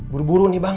buru buru nih bang